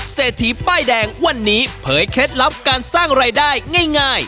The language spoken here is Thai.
เศรษฐีป้ายแดงวันนี้เผยเคล็ดลับการสร้างรายได้ง่าย